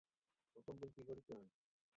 ওকে জীবন্ত পুড়িয়ে মেরেছে!